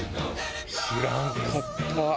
知らんかった。